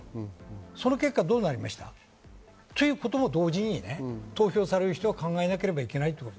その結果どうなりましたということも同時に投票される人は考えなければいけない。